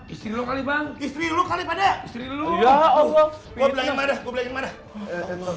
istri lo kali bang istri lo kali pada istri lo ya allah beri maaf beri maaf